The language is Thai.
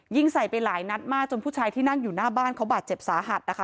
ใส่ไปหลายนัดมากจนผู้ชายที่นั่งอยู่หน้าบ้านเขาบาดเจ็บสาหัสนะคะ